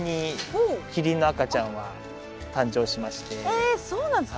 えそうなんですか。